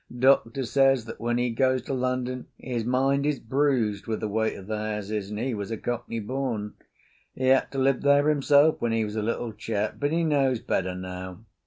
Doctor says that when he goes to London his mind is bruised with the weight of the houses, and he was a Cockney born. He had to live there himself when he was a little chap, but he knows better now.